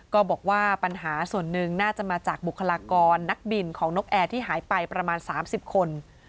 ก็บอกว่าปัญหาส่วนหนึ่งน่าจะมาจากบุคลากรนักบินของนกแอร์ที่หายไปประมาณ๓๐คน